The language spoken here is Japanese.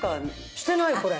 してないこれ。